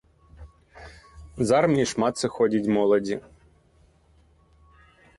З арміі шмат сыходзіць моладзі.